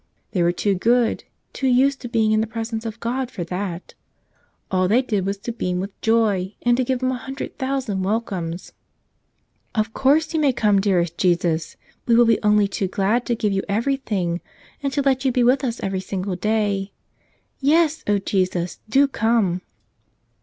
They were too good, too used to being in the presence of God, for that. All they did was to beam with joy and to give Him a hundred thousand welcomes. "Of course, You may come, dearest Jesus! We will be only too glad to give You everything and to let You be with us every single day. Yes, O Jesus, do come!"